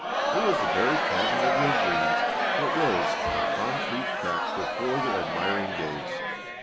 It was the very cabin of their dreams that rose, a concrete fact, before their admiring gaze.